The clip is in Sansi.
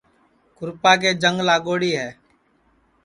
کُرپا کے جنگ لاگوڑی ہے